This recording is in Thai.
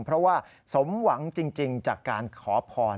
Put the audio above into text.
เพราะว่าสมหวังจริงจากการขอพร